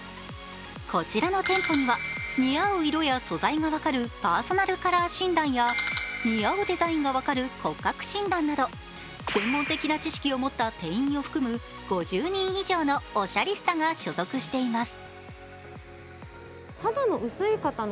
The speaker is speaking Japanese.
こちらの店舗には似合う色や素材が分かるパーソナルカラー診断や似合うデザインが分かる骨格診断など専門的な知識を持った店員を含む５０人以上のおしゃリスタが所属しています。